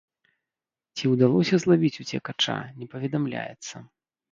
Ці ўдалося злавіць уцекача, не паведамляецца.